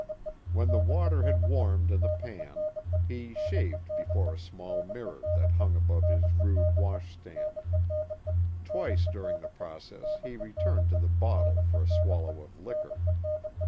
When the water had warmed in the pan, he shaved before a small mirror that hung above his rude wash stand. Twice during the process he returned to the bottle for a swallow of liquor.